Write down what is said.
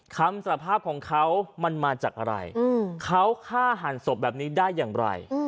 คำสารภาพของเขามันมาจากอะไรเขาฆ่าหันศพแบบนี้ได้อย่างไร